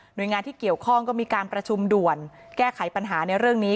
โดยงานที่เกี่ยวข้องก็มีการประชุมด่วนแก้ไขปัญหาในเรื่องนี้